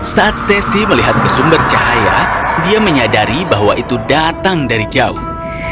saat sesi melihat ke sumber cahaya dia menyadari bahwa itu datang dari jauh